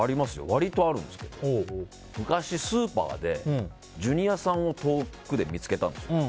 割とあるんですけど昔、スーパーでジュニアさんを遠くで見つけたんですよ。